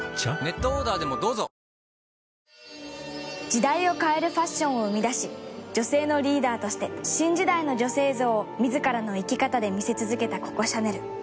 時代を変えるファッションを生み出し女性のリーダーとして新時代の女性像を自らの生き方で見せ続けたココ・シャネル。